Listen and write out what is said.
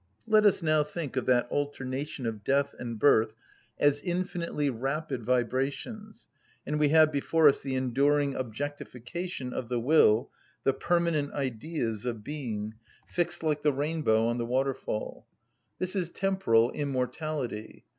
Let us now think of that alternation of death and birth as infinitely rapid vibrations, and we have before us the enduring objectification of the will, the permanent Ideas of being, fixed like the rainbow on the waterfall. This is temporal immortality.